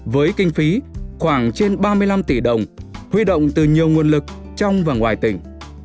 với kinh phí khoảng trên ba mươi năm tỷ đồng huy động từ nhiều nguồn lực trong và ngoài tỉnh